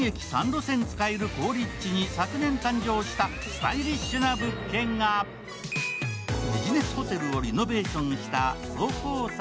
路線使える好立地に昨年誕生したスタイリッシュな物件が、ビジネスホテルをリノベーションしたＳＯＨＯ３０。